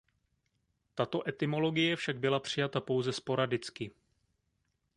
Tato etymologie však byla přijata pouze sporadicky.